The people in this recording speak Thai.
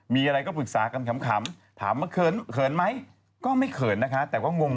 มีอะไรก็ปรึกษากันขำถามว่าเขินเขินไหมก็ไม่เขินนะคะแต่ว่างง